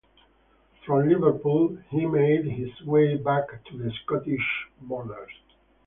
From Liverpool, he made his way back to the Scottish Borders.